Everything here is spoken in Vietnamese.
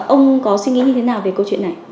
ông có suy nghĩ như thế nào về câu chuyện này